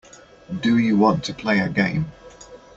Do you want to play a game.